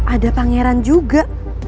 ada pangeran juga